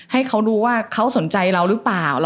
ให้เขาดูว่าเขาสนใจเราหรือเปล่า